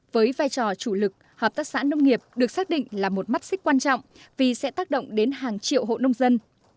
với vai trò chủ lực hợp tác xã nông nghiệp được xác định là một mắt xích quan trọng vì sẽ tác động đến hàng triệu hộ nông dân